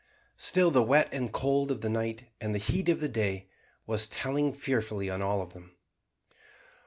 Still the wet and cold of the night, and the heat of the day, was telling fearfully on all of them.